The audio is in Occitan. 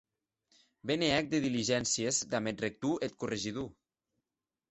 Be ne hec de diligéncies damb eth rector eth corregidor!